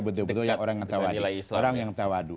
betul betul yang orang yang tawadu